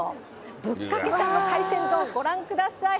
ぶっかけさんの海鮮丼、ご覧ください。